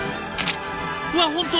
うわ本当！